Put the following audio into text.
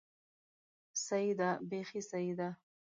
سيي ده، بېخي سيي ده!